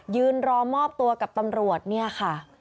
ยืนรอมอบตัวกับตำรวจเนี่ยค่ะ